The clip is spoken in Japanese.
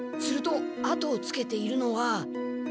するとあとをつけているのは。